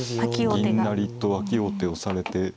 銀成と開き王手をされて。